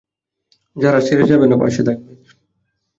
যারা ছেড়ে যাবে না, পাশে থাকবে।